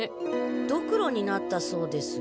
ドクロになったそうです。